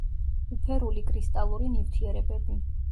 უფერული კრისტალური ნივთიერებები.